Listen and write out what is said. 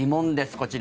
こちら。